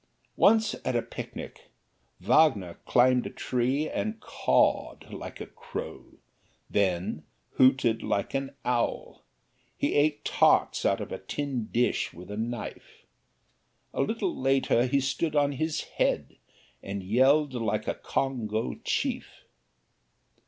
Once, at a picnic, Wagner climbed a tree and cawed like a crow; then hooted like an owl; he ate tarts out of a tin dish with a knife; a little later he stood on his head and yelled like a Congo chief.